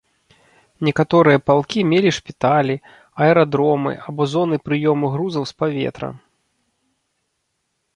Некаторыя палкі мелі шпіталі, аэрадромы або зоны прыёму грузаў з паветра.